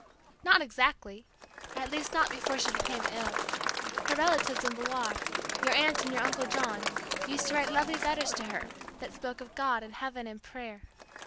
'" "Not exactly at least, not before she became ill. Her relatives in Villar your Aunt and your Uncle John used to write lovely letters to her, that spoke of God and heaven and prayer.